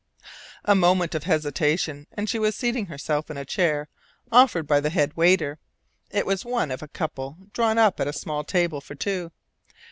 A moment of hesitation, and she was seating herself in a chair offered by the head waiter. It was one of a couple drawn up at a small table for two.